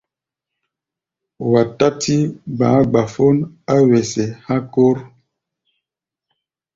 Wa tátí gba̧á̧ gbafón á wesé há̧ kór.